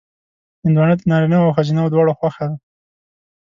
هندوانه د نارینهوو او ښځینهوو دواړو خوښه ده.